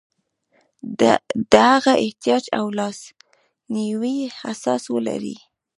د هغه احتیاج او لاسنیوي احساس ولري.